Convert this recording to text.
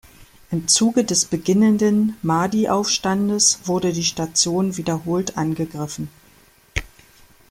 Im Zuge des beginnenden Mahdi-Aufstandes wurde die Station wiederholt angegriffen.